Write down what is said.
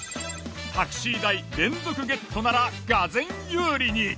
タクシー代連続ゲットならがぜん有利に！